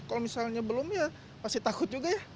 kalau misalnya belum ya pasti takut juga ya